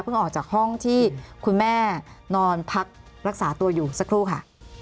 ออกจากห้องที่คุณแม่นอนพักรักษาตัวอยู่สักครู่ค่ะ